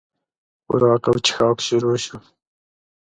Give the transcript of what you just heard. خوراک او چښاک شروع شو.